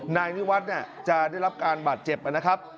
นายนิวัฒน์จะได้รับการบาดเจ็บนะครับ